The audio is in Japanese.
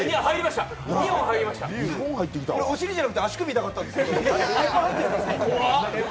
俺、お尻じゃなくて足首痛かったです。